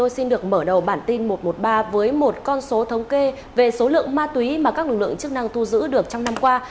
xin được mở đầu bản tin một trăm một mươi ba với một con số thống kê về số lượng ma túy mà các lực lượng chức năng thu giữ được trong năm qua